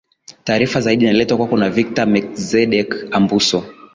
ita taarifa zaidi inaletwa kwako na victor mackzedek ambuso